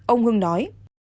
ông hương nói